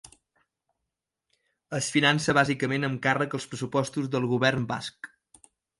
Es finança bàsicament amb càrrec als pressupostos del Govern Basc.